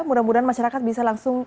mudah mudahan masyarakat bisa langsung